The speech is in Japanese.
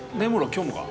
今日もか？